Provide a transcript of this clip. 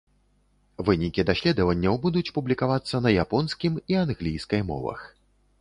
Вынікі даследаванняў будуць публікавацца на японскім і англійскай мовах.